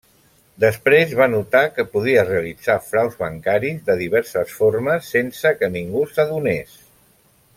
Després va notar que podia realitzar fraus bancaris de diverses formes sense que ningú s'adonés.